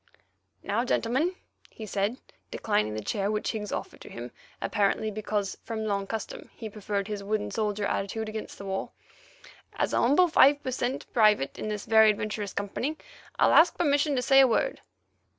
"Now, gentlemen," he said, declining the chair which Higgs offered to him, apparently because, from long custom, he preferred his wooden soldier attitude against the wall, "as a humble five per cent. private in this very adventurous company I'll ask permission to say a word."